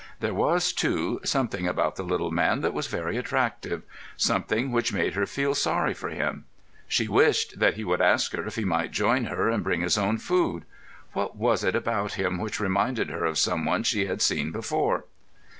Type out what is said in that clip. There was, too, something about the little man that was very attractive, something which made her feel sorry for him. She wished that he would ask her if he might join her and bring his own food. What was it about him which reminded her of some one she had seen before?